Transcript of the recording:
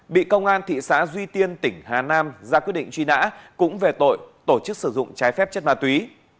bị công an thị xã duy tiên tỉnh hà nam ra quyết định truy nã cũng về tội tổ chức sử dụng trái phép chất ma túy